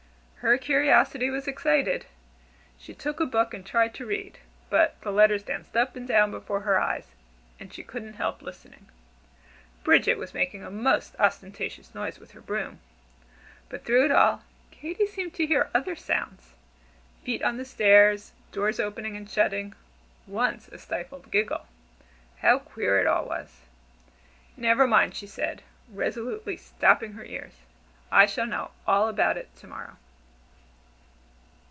Her curiosity was excited. She took a book and tried to read, but the letters danced up and down before her eyes, and she couldn't help listening. Bridget was making a most ostentatious noise with her broom, but through it all, Katy seemed to hear other sounds feet on the stairs, doors opening and shutting once, a stifled giggle. How queer it all was! "Never mind," she said, resolutely stopping her ears, "I shall know all about it to morrow."